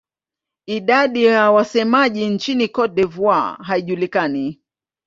Idadi ya wasemaji nchini Cote d'Ivoire haijulikani.